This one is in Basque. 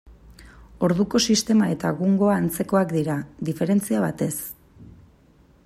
Orduko sistema eta egungoa antzekoak dira, diferentzia batez.